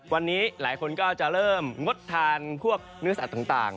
วันนี้หลายคนกลัวจะเริ่มงดทานสัตว์ต่าง